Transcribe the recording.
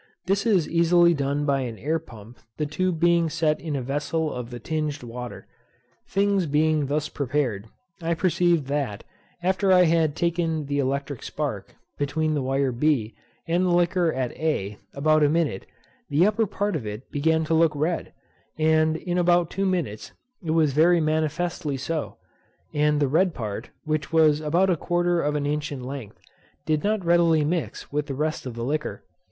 This is easily done by an air pump, the tube being set in a vessel of the tinged water. Things being thus prepared, I perceived that, after I had taken the electric spark, between the wire b, and the liquor at a, about a minute, the upper part of it began to look red, and in about two minutes it was very manifestly so; and the red part, which was about a quarter of an inch in length, did not readily mix with the rest of the liquor.